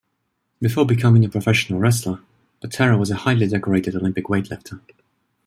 Before becoming a professional wrestler, Patera was a highly decorated Olympic weightlifter.